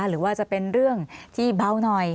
หรือว่าจะเป็นเรื่องที่เบาหน่อย